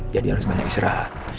jadi harus banyak istirahat